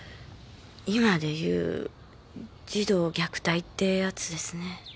今でいう児童虐待ってやつですね。